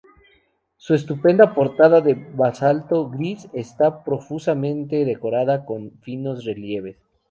Su estupenda portada de basalto gris esta profusamente decorada con finos relieves.